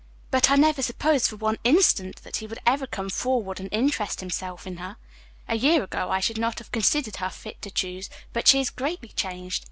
"But I never supposed for one instant that he would ever come forward and interest himself in her. A year ago I should not have considered her fit to choose, but she is greatly changed.